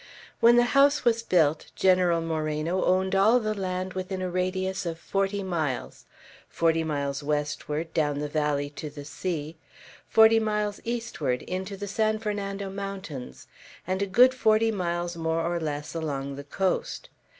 When the house was built, General Moreno owned all the land within a radius of forty miles, forty miles westward, down the valley to the sea; forty miles eastward, into the San Fernando Mountains; and good forty miles more or less along the coast.